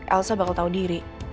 elsa bakal tahu diri